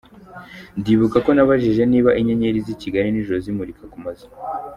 Ndibuka ko nabajije niba inyenyeri z’i Kigali ninjoro zimukira ku mazu.